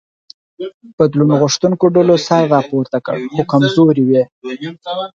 بدلون غوښتونکو ډلو سر راپورته کړ خو کمزوري وې.